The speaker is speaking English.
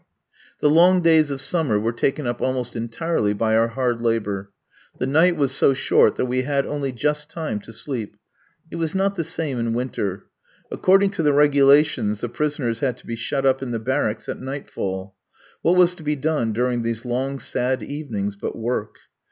The long days of summer were taken up almost entirely by our hard labour. The night was so short that we had only just time to sleep. It was not the same in winter. According to the regulations, the prisoners had to be shut up in the barracks at nightfall. What was to be done during these long, sad evenings but work?